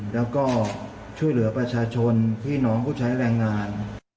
แล้วก็ช่วยเหลือประชาชนพี่น้องผู้ใช้แรงงาน